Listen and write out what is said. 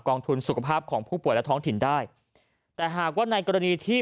ทุนสุขภาพของผู้ป่วยและท้องถิ่นได้แต่หากว่าในกรณีที่